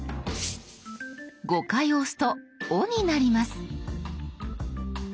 ５回押すと「お」になります。